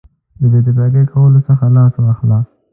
د بې اتفاقه کولو څخه لاس واخله.